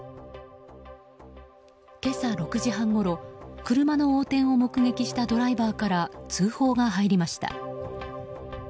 今朝６時半ごろ車の横転を目撃したドライバーから通報が入りました。